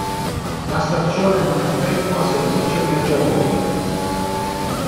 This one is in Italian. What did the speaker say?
La stazione non effettua servizio viaggiatori.